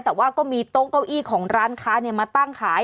แต่ว่าก็มีโต๊ะเก้าอี้ของร้านค้ามาตั้งขาย